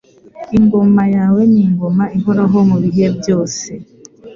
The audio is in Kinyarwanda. Ingoma yawe ni ingoma ihoraho mu bihe byose